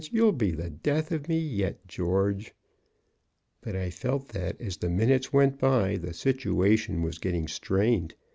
You'll be the death of me yet, George!" But I felt that, as the minutes went by, the situation was getting strained.